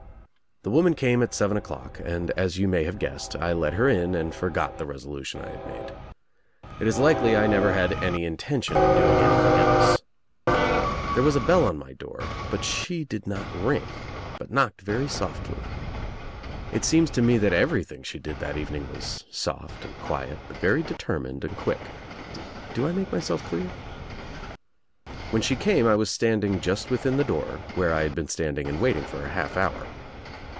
"The woman came at seven o'clock, and, as you may have guessed, 1 let her in and forgot the resolution I had made. It is likely I never had any intention of doing anything else. There was a bell on my door, but she did not ring, but knocked very softly. It seems to me that everything she did that evening was soft and quiet, but very determined and quick. Do I make my self clear? When she came I was standing just within the door where I had been standing and waiting for a half hour.